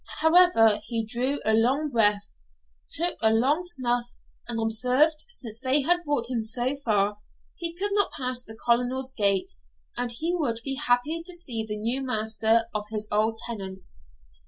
However, he drew a long breath, took a long snuff, and observed, since they had brought him so far, he could not pass the Colonel's gate, and he would be happy to see the new master of his old tenants.